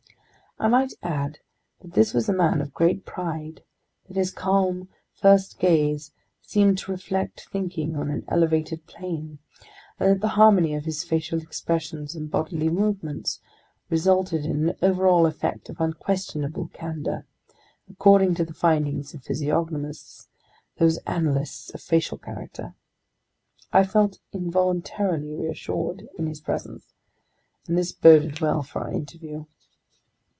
I might add that this was a man of great pride, that his calm, firm gaze seemed to reflect thinking on an elevated plane, and that the harmony of his facial expressions and bodily movements resulted in an overall effect of unquestionable candor—according to the findings of physiognomists, those analysts of facial character. I felt "involuntarily reassured" in his presence, and this boded well for our interview.